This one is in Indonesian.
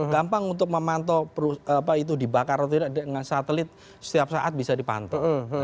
gampang untuk memantau apa itu dibakar atau tidak dengan satelit setiap saat bisa dipantau